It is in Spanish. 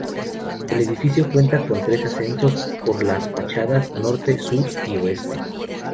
El edificio cuenta con tres accesos, por las fachadas norte, sur y oeste.